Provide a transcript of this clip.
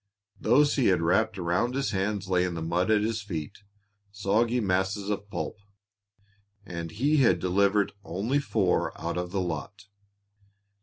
Those he had wrapped around his hands lay in the mud at his feet, soggy masses of pulp. And he had delivered only four out of the lot!